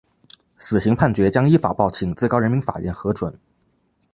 死刑判决将依法报请最高人民法院核准。